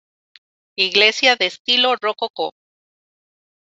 Iglesia de estilo rococó.